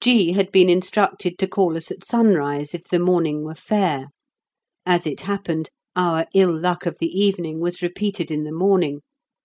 G. had been instructed to call us at sunrise if the morning were fair. As it happened, our ill luck of the evening was repeated in the morning.